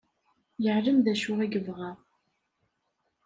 Yeɛlem d acu i yebɣa.